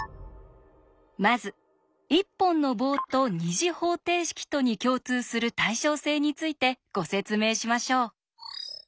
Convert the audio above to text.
まず一本の棒と２次方程式とに共通する対称性についてご説明しましょう。